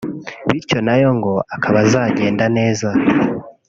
bityo nayo ngo akaba azagenda neza